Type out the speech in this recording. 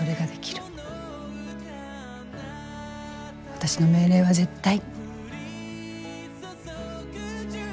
私の命令は絶対。